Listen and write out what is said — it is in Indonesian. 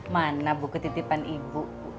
mana buku titipan ibu